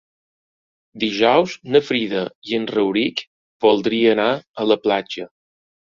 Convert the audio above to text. Dijous na Frida i en Rauric voldria anar a la platja.